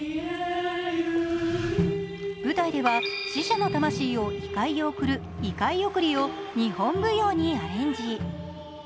舞台では死者の魂を異界へ送る異界送りを日本舞踊にアレンジ。